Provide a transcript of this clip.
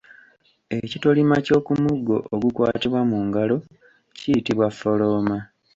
Ekitolima ky’okumuggo ogukwatibwa mu ngalo kiyitibwa ffolooma.